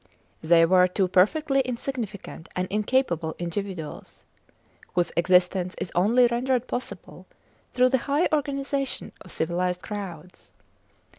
They were two perfectly insignificant and incapable individuals, whose existence is only rendered possible through the high organization of civilized crowds.